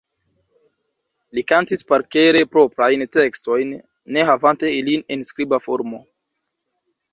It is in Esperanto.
Li kantis parkere proprajn tekstojn, ne havante ilin en skriba formo.